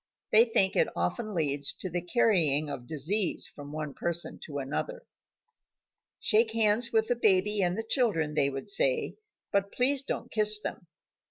They think that it often leads to the carrying of disease from one person to another. "Shake hands with the baby and the children," they would say, "but please don't kiss them."